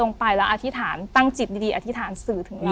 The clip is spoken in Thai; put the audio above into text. ลงไปแล้วอธิษฐานตั้งจิตดีอธิษฐานสื่อถึงเรา